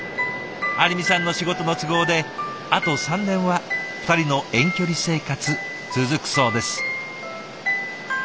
有美さんの仕事の都合であと３年は２人の遠距離生活続くそうです。